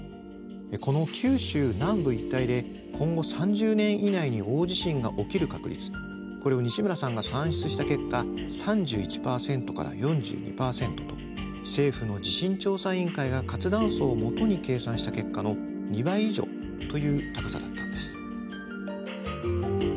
この九州南部一帯で今後３０年以内に大地震が起きる確率これを西村さんが算出した結果３１％から４２％と政府の地震調査委員会が活断層をもとに計算した結果の２倍以上という高さだったんです。